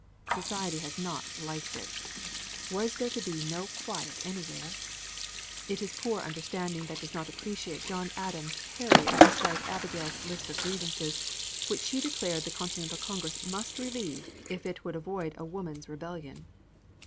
Society has not liked it was there to be no quiet anywhere? It is poor understanding that does not appreciate John Adams' parry of his wife Abigail's list of grievances, which she declared the Continental Congress must relieve if it would avoid a woman's rebellion.